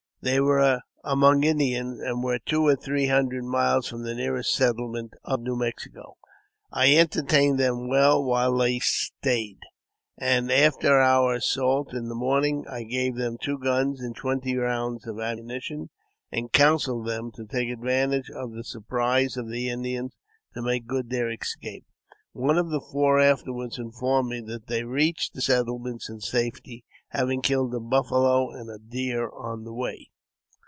They were among Indians, and were two or three hundred miles from the nearest settlements of New Mexico. I enter tained them well while they stayed, and, after our assault in the morning, I gave them two guns and twenty rounds of ammunition, and counselled them to take advantage of the surprise of the Indians to make good their escape. One of the four afterward informed me that they reached the settle ments in safety, having killed a buffalo and a deer on the way.